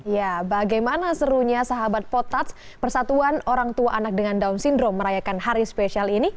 ya bagaimana serunya sahabat potat persatuan orang tua anak dengan down syndrome merayakan hari spesial ini